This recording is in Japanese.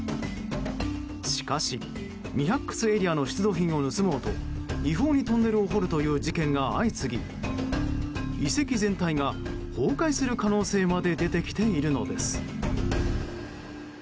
しかし、未発掘エリアの出土品を盗もうと違法にトンネルを掘るという事件が相次ぎ遺跡全体が崩壊する可能性まで出てきているのです。